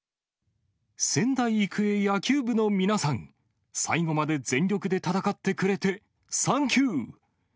仙台育英野球部の皆さん、最後まで全力で戦ってくれてサンキュー。